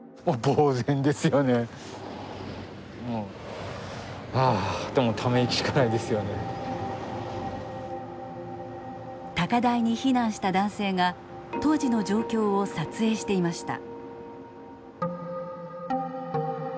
もうはあって高台に避難した男性が当時の状況を撮影していました。